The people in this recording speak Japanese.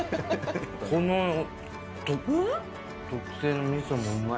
この特製みそもうまい。